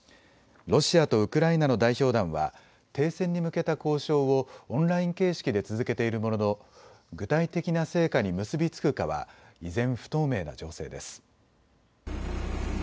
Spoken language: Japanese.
ロシアとウクライナの代表団は停戦に向けた交渉をオンライン形式で続けているものの、具体的な成果に結び付くかは依然、不透明な情勢です。